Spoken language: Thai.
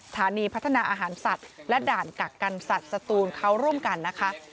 ฐานีพัฒนาอาหารสัตว์และด่านกักกันสัตว์สตูนเขาร่วมกันนะคะ